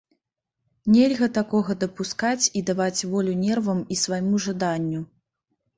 Нельга такога дапускаць і даваць волю нервам і свайму жаданню.